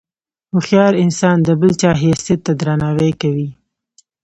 هوښیار انسان د بل چا حیثیت ته درناوی کوي.